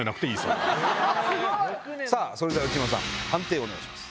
それでは内村さん判定お願いします。